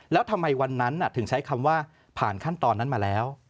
แล้วทำไมวันนั้นถึงใช้คำว่าผ่านขั้นตอนนั้นมาแล้ว